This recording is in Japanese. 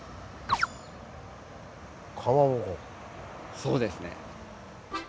そうですね。